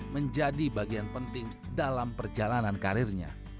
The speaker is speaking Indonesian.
menjadi bagian penting dalam perjalanan karirnya